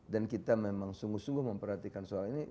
dan kita memang sungguh sungguh memperhatikan soal ini